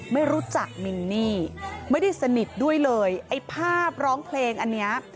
ไม่รู้จักมินนี่ไม่ได้สนิทด้วยเลยไอ้ภาพร้องเพลงอันเนี้ย